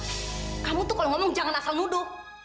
mas kamu itu kalau ngomong jangan asal nudo